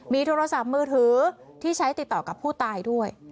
มีโทรศัพท์มือถือที่ใช้ติดต่อกับผู้ตายด้วย